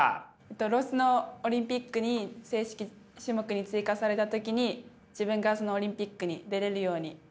ロスのオリンピックに正式種目に追加された時に自分がそのオリンピックに出れるように。